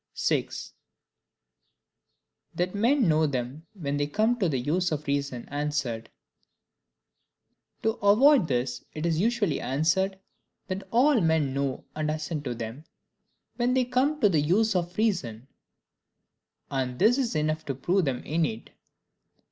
6. That men know them when they come to the Use of Reason answered. To avoid this, it is usually answered, that all men know and assent to them, WHEN THEY COME TO THE USE OF REASON; and this is enough to prove them innate.